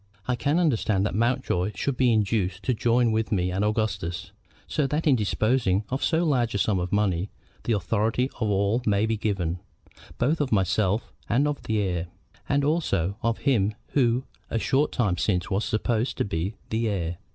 I can understand that Mountjoy should be induced to join with me and Augustus, so that in disposing of so large a sum of money the authority of all may be given, both of myself and of the heir, and also of him who a short time since was supposed to be the heir.